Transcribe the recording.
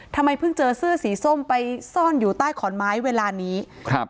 ทำไมเพิ่งเจอเสื้อสีส้มไปซ่อนอยู่ใต้ขอนไม้เวลานี้ครับ